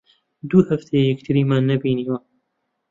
دوو هەفتەیە یەکترمان نەبینیوە.